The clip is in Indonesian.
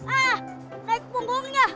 ah naik bungkungnya